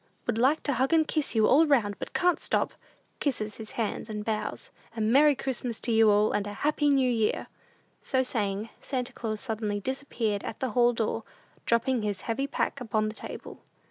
Would like to hug and kiss you all round, but can't stop. (Kisses his hand and bows.) A Merry Christmas to you all, and a Happy New Year." So saying, Santa Claus suddenly disappeared at the hall door, dropping his heavy pack upon the table.